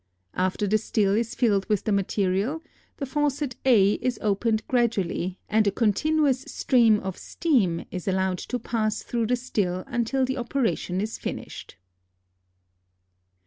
After the still is filled with the material, the faucet H is opened gradually and a continuous stream of steam is allowed to pass through the still until the operation is finished.